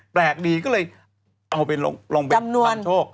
แปลกดีก็เลยลองเป็นลงลองเป็นพันโชค